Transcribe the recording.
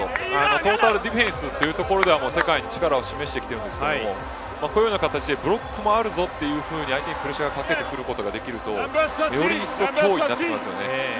トータルディフェンスというところでは世界に力を示してきているんですけどこのような形でブロックもあると相手にプレッシャーをかけることができるとより一層、脅威になりますよね。